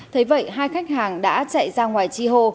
thế vậy hai khách hàng đã chạy ra ngoài chi hô